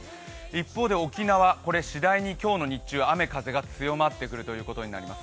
一方で沖縄しだいに今日の日中雨風が強まってくるということになります